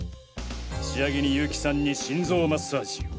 仕上げに結城さんに心臓マッサージを。